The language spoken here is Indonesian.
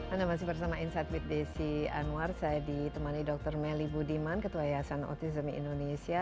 anda masih bersama insight with desi anwar saya ditemani dr melly budiman ketua yayasan autism indonesia